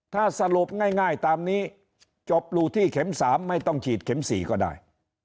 ถ้าสรุปง่ายตามนี้จบอยู่ที่เข็ม๓ไม่ต้องฉีดเข็ม๔ก็ได้